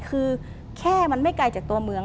คือแค่มันไม่ไกลจากตัวเมือง